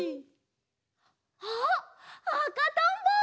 あっあかとんぼ！